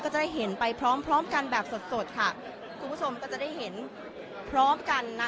จะได้เห็นไปพร้อมพร้อมกันแบบสดสดค่ะคุณผู้ชมก็จะได้เห็นพร้อมกันนะ